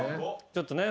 ちょっとね。